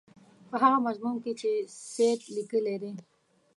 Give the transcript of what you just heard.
په هغه مضمون کې چې سید لیکلی دی.